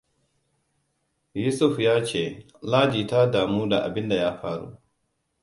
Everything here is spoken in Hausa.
Yusuf yace Ladi ta daamu da abun da ya faru.